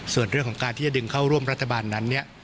ส่วนเรื่องของการที่จะดึงเข้าร่วมรัฐบาลนั้นเนี่ย